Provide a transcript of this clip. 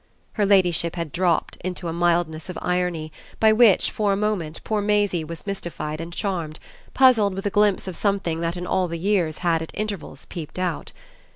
Her ladyship had dropped to a mildness of irony by which, for a moment, poor Maisie was mystified and charmed, puzzled with a glimpse of something that in all the years had at intervals peeped out.